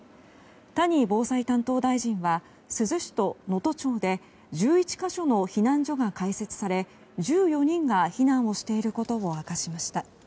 谷防災担当大臣は珠洲市と能登町で１１か所の避難所が開設され１４人が避難をしていることを明かしました。